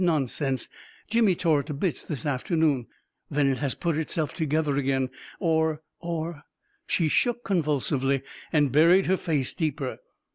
" Nonsense I Jimmy tore it to bits this afternoon !" "Then it has put itself together again — or, or .•. She shook convulsively, and buried her face deeper.